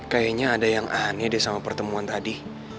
kayaknya ada yang aneh deh sama pertemuan tadi